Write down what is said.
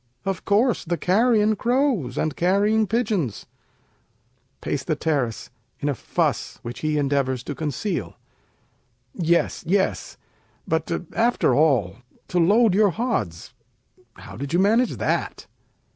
Of course, the carrion crows and carrying pigeons. Peis. [in a fuss, which he endeavors to conceal] Yes! yes! but after all, to load your hods, How did you manage that?